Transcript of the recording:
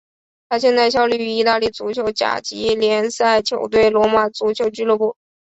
他现在效力于意大利足球甲级联赛球队罗马足球俱乐部。